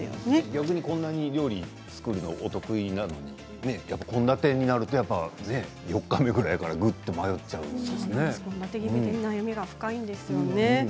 逆にこんな料理作るのお得意なのに献立になると、やっぱり４日目ぐらいからぐっと悩みが深いんですよね。